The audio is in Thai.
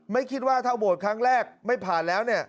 ไม่คิดว่าถ้าโหวตครั้งแรกไม่ผ่านแล้วเนี่ย